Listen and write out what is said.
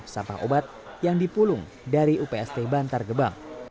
dan ada juga sampah obat yang dipulung dari upst bantar gebang